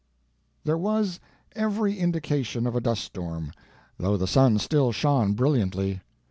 There was every indication of a dust storm, though the sun still shone brilliantly.